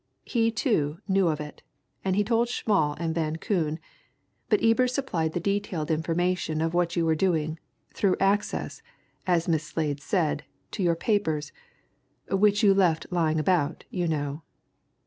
He too, knew of it, and he told Schmall and Van Koon, but Ebers supplied the detailed information of what you were doing, through access, as Miss Slade said, to your papers which you left lying about, you know."